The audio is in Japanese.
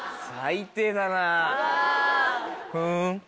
「ふん」